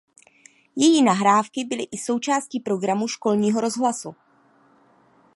Její nahrávky byly i součástí programu školního rozhlasu.